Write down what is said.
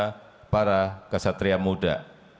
saudara saudara para ksatria muda